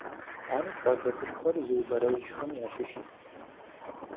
Ар щӀалэ цӀыкӀухэр зыубэрэжьхэм ящыщт.